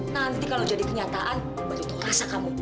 nanti kalau jadi kenyataan baru tahu rasa kamu